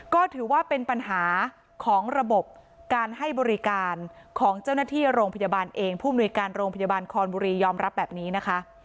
ก็ถือว่าเป็นปัญหาของระบบการให้บริการของเจ้าหน้าที่โรงพยาบาลเองผู้มนุยการโรงพยาบาลคอนบุรียอมรับแบบนี้นะคะ